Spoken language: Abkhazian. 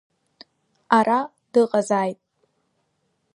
Ара дыҟазааит!